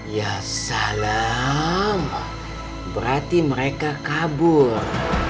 ya salam berarti mereka kabur